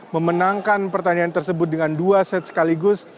memenangkan pertandingan tersebut dengan dua set sekaligus